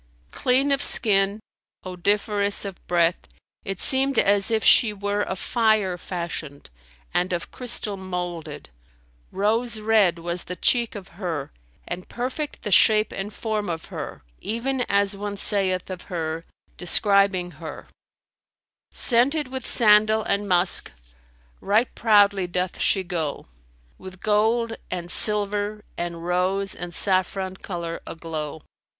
"[FN#289] Clean of skin, odoriferous of breath, it seemed as if she were of fire fashioned and of crystal moulded; rose red was the cheek of her and perfect the shape and form of her; even as one saith of her, describing her, "Scented with sandal[FN#290] and musk, right proudly doth she go, * With gold and silver and rose and saffron colour aglow.